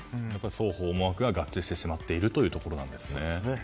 双方思惑が合致してしまっているということですね。